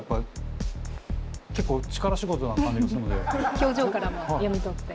表情からも読み取って。